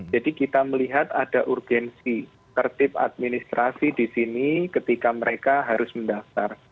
jadi kita melihat ada urgensi tertib administrasi disini ketika mereka harus mendaftar